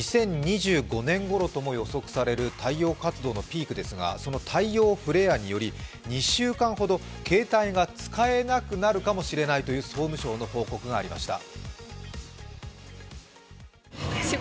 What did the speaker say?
２０２５年ごろとも予測される太陽活動のピークですがその太陽フレアにより２週間ほど携帯が使えなくなるかもしれないという総務省の報告がありました。